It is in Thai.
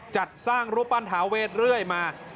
จัดสร้างรูปปั้นทาเวทเรื่อยมา